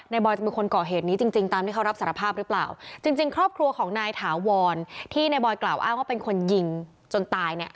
บอยจะเป็นคนก่อเหตุนี้จริงจริงตามที่เขารับสารภาพหรือเปล่าจริงจริงครอบครัวของนายถาวรที่ในบอยกล่าวอ้างว่าเป็นคนยิงจนตายเนี่ย